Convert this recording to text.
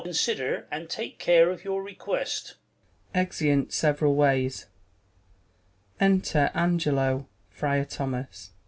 203 Consider and take care of your request. [Exeunt several loays. Enter Angelo, Friar Thojias.